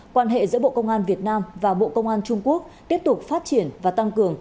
quan hệ giữa bộ công an việt nam và bộ công an trung quốc tiếp tục phát triển và tăng cường